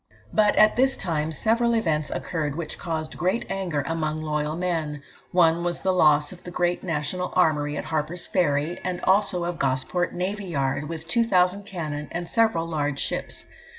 But at this time several events occurred which caused great anger among loyal men: one was the loss of the great national armoury at Harper's Ferry, and also of Gosport Navy Yard, with 2000 cannon and several large ships.